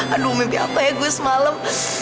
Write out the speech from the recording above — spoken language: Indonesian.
aduh mimpi apa ya gue semalam